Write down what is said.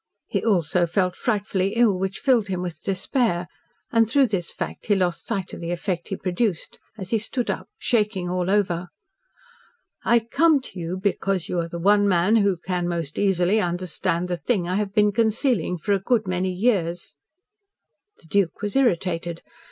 He also felt frightfully ill, which filled him with despair, and, through this fact, he lost sight of the effect he produced, as he stood up, shaking all over. "I come to you because you are the one man who can most easily understand the thing I have been concealing for a good many years." The Duke was irritated.